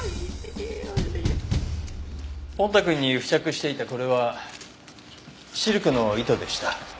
ポンタくんに付着していたこれはシルクの糸でした。